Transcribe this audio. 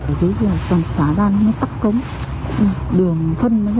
ở dưới kia toàn xá ra nó tắt cống đường thân nó ra nó đặc quá